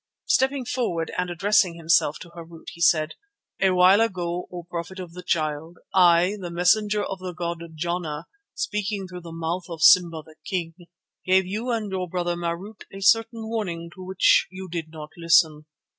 Stepping forward and addressing himself to Harût, he said: "A while ago, O Prophet of the Child, I, the messenger of the god Jana, speaking through the mouth of Simba the King, gave to you and your brother Marût a certain warning to which you did not listen.